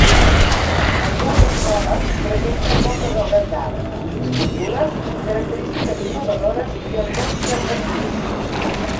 Ambdues escoles presenten moltes obres d'art, escultures, característiques innovadores i entorns atractius.